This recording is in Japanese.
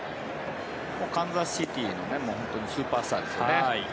カンザスシティーのスーパースターですよね。